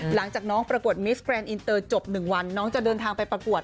หลังจากน้องปรากฏมิสแกนเตอร์จบ๑วันน้องจะเดินทางไปปรากฏ